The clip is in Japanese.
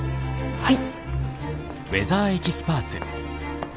はい。